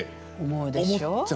思うでしょ？